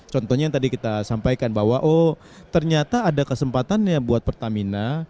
contohnya yang tadi kita sampaikan bahwa oh ternyata ada kesempatannya buat pertamina